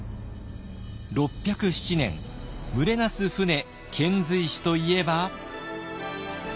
６０７年「群れなす船遣隋使」といえば。